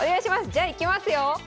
じゃあいきますよ。